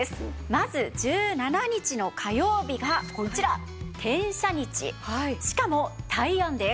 まず１７日の火曜日がこちら天赦日しかも大安です。